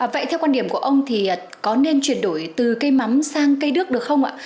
vậy theo quan điểm của ông thì có nên chuyển đổi từ cây mắm sang cây đước được không ạ